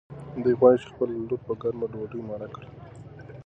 دی غواړي چې خپله لور په ګرمه ډوډۍ مړه کړي.